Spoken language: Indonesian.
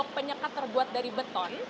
dan yang terdapat di atas